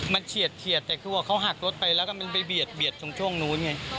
มันเฉียดแต่คือว่าเขาหักรถไปแล้วก็มันไปเบียดตรงช่วงนู้นไง